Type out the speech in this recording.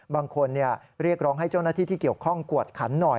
บางคนเรียกร้องให้เจ้าหน้าที่ที่เกี่ยวข้องกวดขันหน่อย